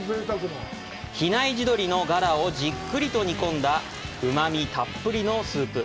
比内地鶏のガラをじっくりと煮込んだうまみたっぷりのスープ。